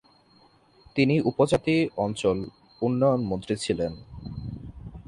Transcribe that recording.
তিনি উপজাতি অঞ্চল উন্নয়ন মন্ত্রী ছিলেন।